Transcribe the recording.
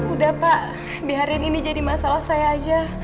udah pak biarin ini jadi masalah saya aja